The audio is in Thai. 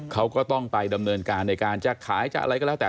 เขาก็ต้องไปดำเนินการในการจะขายจะอะไรก็แล้วแต่